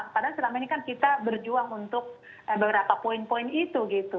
padahal selama ini kan kita berjuang untuk beberapa poin poin itu gitu